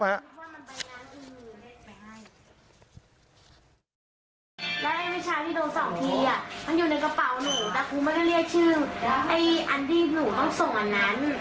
มันอยู่ในกระเป๋าหนูแต่ครูไม่ได้เรียกชื่ออันที่หนูต้องส่งอันนั้น